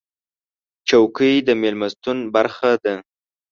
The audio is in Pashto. چوکۍ د میلمستون برخه ده.